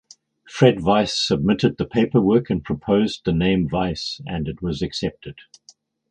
Fred Weiss submitted the paperwork and proposed the name Weiss and it was accepted.